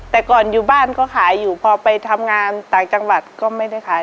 แต่ก่อนอยู่บ้านก็ขายอยู่พอไปทำงานต่างจังหวัดก็ไม่ได้ขาย